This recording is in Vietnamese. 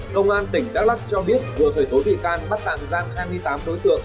công an tỉnh đắk lắk cho biết vừa thời tố thị can bắt tạm giam hai mươi tám tối tượng